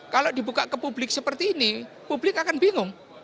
kalau dibuka ke publik seperti ini publik akan bingung